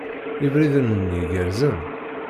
Ibriden-nni gerrzen.